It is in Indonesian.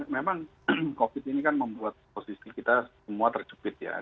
memang covid ini kan membuat posisi kita semua terjepit ya